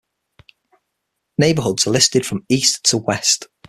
Neighborhoods are listed from east to west.